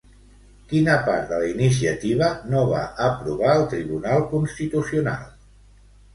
Quina part de la iniciativa no va aprovar el tribunal constitucional?